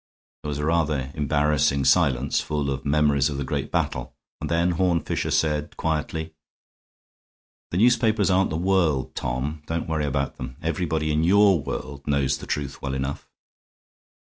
There was a rather embarrassing silence, full of memories of the great battle, and then Horne Fisher said, quietly: "The newspapers aren't the world, Tom. Don't you worry about them. Everybody in your world knows the truth well enough."